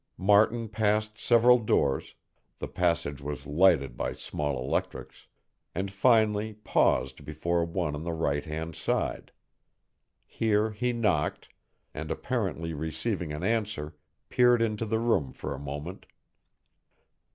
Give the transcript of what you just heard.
Martin passed several doors the passage was lighted by small electrics and finally paused before one on the right hand side. Here he knocked, and apparently receiving an answer, peered into the room for a moment.